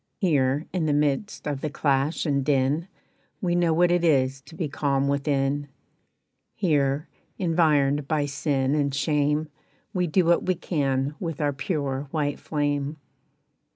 "Here, in the midst of the clash and din, We know what it is to be calm within. "Here, environed by sin and shame, We do what we can with our pure white flame.